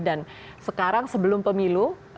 dan sekarang sebelum pemilu